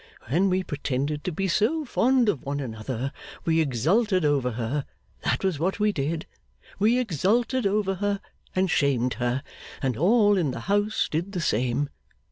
When we pretended to be so fond of one another, we exulted over her; that was what we did; we exulted over her and shamed her. And all in the house did the same.